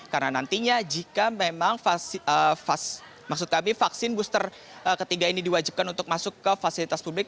karena nantinya jika memang maksud kami vaksin booster ketiga ini diwajibkan untuk masuk ke fasilitas publik